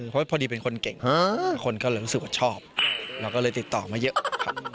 เพราะพอดีเป็นคนเก่งคนก็เลยรู้สึกว่าชอบเราก็เลยติดต่อมาเยอะครับ